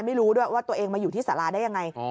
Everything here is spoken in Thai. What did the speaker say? ไม่รู้ด้วยว่าตัวเองมาอยู่ที่สาราได้ยังไง